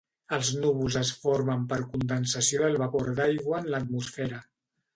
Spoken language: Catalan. Els núvols es formen per condensació del vapor d’aire en l’atmosfera.